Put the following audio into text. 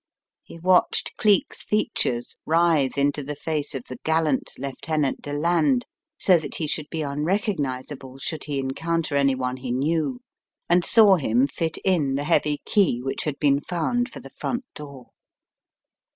He watched Cleek's features writhe into the face of the gallant Lieutenant Deland, so that he should be unrecognizable should he encounter any one he knew and saw him fit in the heavy key which had Dollops Takes a Hand 209 been found for the front door.